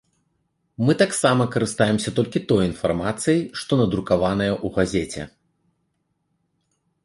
Мы таксама карыстаемся толькі той інфармацыяй, што надрукаваная ў газеце.